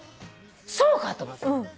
そうかと思って。